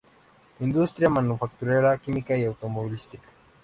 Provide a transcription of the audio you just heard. Industria manufacturera, química y automovilística.